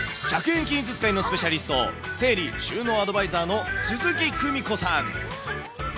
１００円均一使いのスペシャリスト、整理収納アドバイザーの鈴木久美子さん。